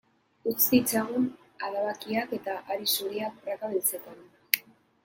Utz ditzagun adabakiak eta hari zuriak praka beltzetan.